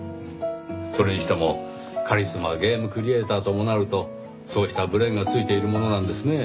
それにしてもカリスマゲームクリエイターともなるとそうしたブレーンがついているものなんですねぇ。